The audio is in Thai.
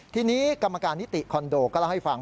ทีนี้กรรมการนิติคอนโดก็เล่าให้ฟัง